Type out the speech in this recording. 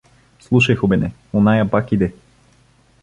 — Слушай, Хубене, оная пак иде.